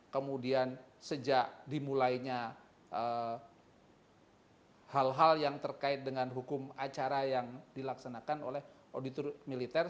kemudian sejak dimulainya hal hal yang terkait dengan hukum acara yang dilaksanakan oleh auditor militer